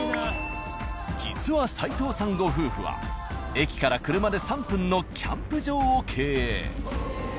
実はサイトウさんご夫婦は駅から車で３分のキャンプ場を経営。